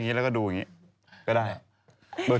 แล้วแล้วก็ดูอย่างนี้